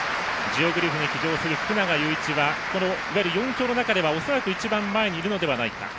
ジオグリフに騎乗する福永祐一はいわゆる４強の中では一番前にいるのではないか。